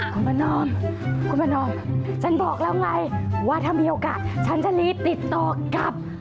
คุณประนอมคุณประนอมฉันบอกแล้วไงว่าถ้ามีโอกาสฉันจะรีบติดต่อกลับ